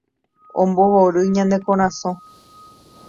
ombohory ñane korasõ